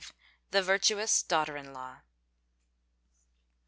THE VIRTUOUS DAUGHTER IN LAW.